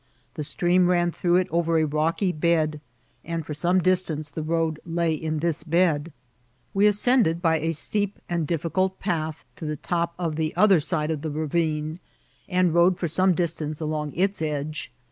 The stream ran throu^ it ov«r a rocky bed, and for some distance the road lay in this bed. We ascended by a steep and difficult path tothe top of the other side of the ravine, and rode for some distance along its edge.